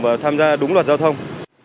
và tham gia đúng luật giao thông